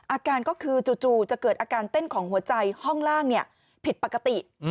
อาการก็คือจู่จะเกิดอาการเต้นของหัวใจห้องล่างผิดปกติ